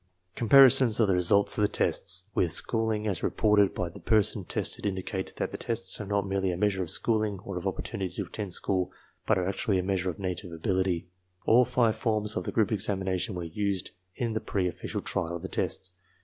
Comparisons of the results of the tests with schooling as re I t 8 ARMY MENTAL TESTS / ported by the person tested indicate that the tests are not merely a measure of schooling or of opportunity to attend school \ but are actually a measure of native ability. All five forms of the group examination were used in the pre official trial of the tests.